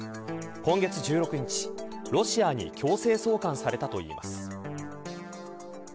今月１６日、ロシアに強制送還されたといいます。